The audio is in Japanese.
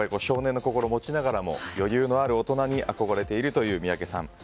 少年の心を持ちながらも余裕のある大人に憧れているという三宅さん。